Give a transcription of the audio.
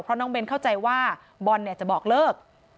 เพราะน้องเบ้นเข้าใจว่าบอลเนี่ยจะบอกเลิก